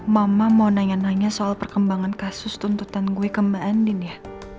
mama mau nanya nanya soal perkembangan kasus tuntutan gue ke mbak andin ya